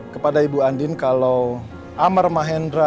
kepada ibu andin kalau amar mahendra